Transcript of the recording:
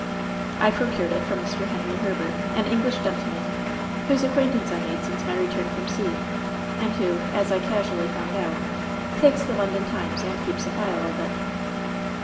"I procured it from Mr. Henry Herbert, an English gentleman, whose acquaintance I made since my return from sea, and who, as I casually found out, takes the London Times, and keeps a file of it."